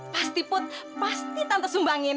pasti pun pasti tante sumbangin